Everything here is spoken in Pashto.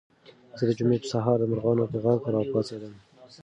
زه د جمعې په سهار د مرغانو په غږ راپاڅېدم.